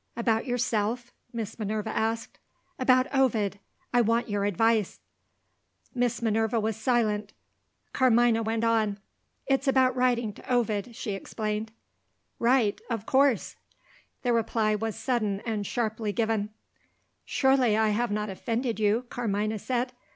"About yourself?" Miss Minerva asked. "About Ovid. I want your advice." Miss Minerva was silent. Carmina went on. "It's about writing to Ovid," she explained. "Write, of course!" The reply was suddenly and sharply given. "Surely, I have not offended you?" Carmina said.